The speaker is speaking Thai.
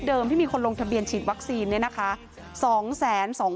ตัวเลขเดิมที่มีคนลงทะเบียนฉีดวัคซีนเนี่ยค่ะสองแสนสอง